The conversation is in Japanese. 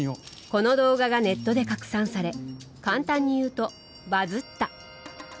この動画がネットで拡散され簡単に言うと、バズった。